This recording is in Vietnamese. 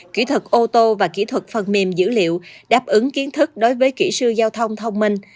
kỹ thuật ô tô và kỹ thuật phần mềm dữ liệu đáp ứng kiến thức đối với kỹ sư giao thông thông minh